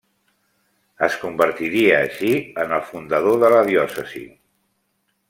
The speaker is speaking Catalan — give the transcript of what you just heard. Es convertiria així en el fundador de la diòcesi.